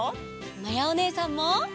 まやおねえさんも。